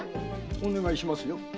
お願いしますよ。